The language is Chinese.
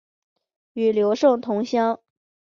与刘胜同乡。